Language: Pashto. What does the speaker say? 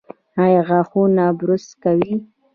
ایا غاښونه برس کوي؟